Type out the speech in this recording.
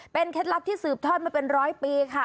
เป็นเคล็ดลับที่สืบทอดมาเป็นร้อยปีค่ะ